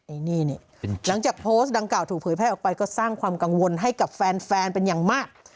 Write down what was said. เนี่ยหลังจากโพสต์ดังกล่าวถูกเผยแพร่ออกไปก็สร้างความกังวลให้กับแฟนเป็นอย่างมาก